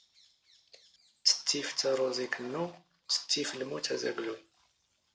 ⵜⴻⵜⵜⵉⴼ ⵜⴰⵔⵓⵥⵉ ⴽⵏⵏⵓ, ⵜⴻⵜⵜⵉⴼ ⵍⵎⵓⵜ ⴰⵣⴰⴳⵍⵓ